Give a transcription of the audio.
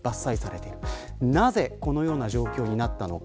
なぜこのような状況になったのか。